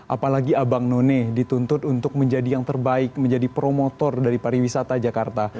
apalagi abang none dituntut untuk menjadi yang terbaik menjadi promotor dari pariwisata jakarta